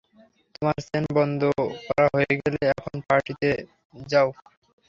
তোমার চেন বন্ধ করা হয়ে গেলে, এখন পার্টিতে যাও।